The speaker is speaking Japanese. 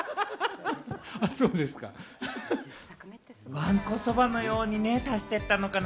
わんこそばのようにね、足してったのかな？